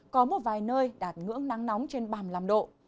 có một vài nơi đạt ngưỡng nắng nóng trên ba mươi năm độ